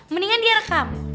mendingan dia rekam